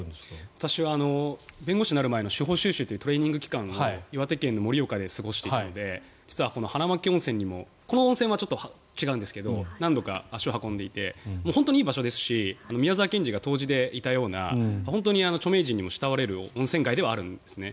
私は弁護士になる前の司法修習というトレーニング期間を岩手県の盛岡で過ごしていたので実は花巻温泉にもこの温泉は違うんですが何度か足を運んでいて本当にいい場所ですし宮沢賢治が湯治でいたような本当に著名人にも慕われる温泉地ではあるんですね。